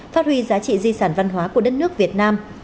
phát huy giá trị di sản văn hóa của đất nước việt nam